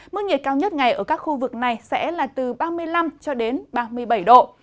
mức nhiệt cao nhất ngày ở các khu vực này sẽ là từ ba mươi năm cho đến ba mươi bảy độ